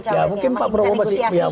ya mungkin pak prabowo masih